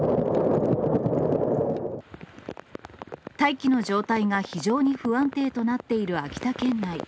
大気の状態が非常に不安定となっている秋田県内。